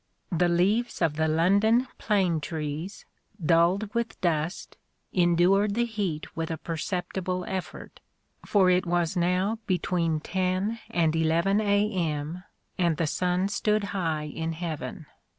The leaves of the London plane trees, dulled with dust, endured the heat with a perceptible effort : for it was now between ten and eleven a.m., and the sun stood high in heaven.